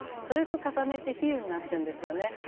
それと重ねて比喩になってるんですよね。